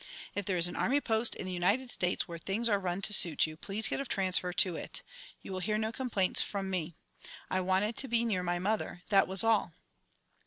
If there is an army post in the United States where things are run to suit you, please get a transfer to it. You will hear no complaints from me. I wanted to be near my mother that was all."